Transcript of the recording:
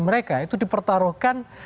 mereka itu dipertaruhkan